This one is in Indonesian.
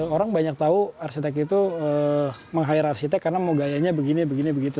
orang banyak tahu arsitek itu meng hire arsitek karena mau gayanya begini begini begitu